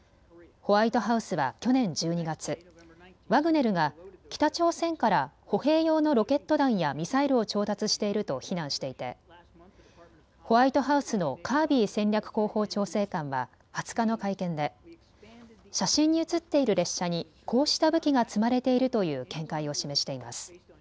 ホワイトハウスは去年１２月、ワグネルが北朝鮮から歩兵用のロケット弾やミサイルを調達していると非難していてホワイトハウスのカービー戦略広報調整官は２０日の会見で写真に写っている列車にこうした武器が積まれているという見解を示しています。